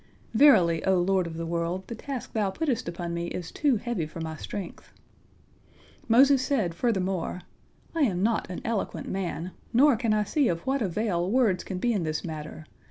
Verily, O Lord of the world, the task Thou puttest upon me is too heavy for my strength." Moses said furthermore: "I am not an eloquent man, nor can I see of what avail words can be in this matter.